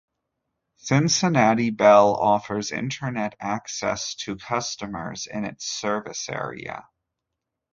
Cincinnati Bell offers Internet access to customers in its service area.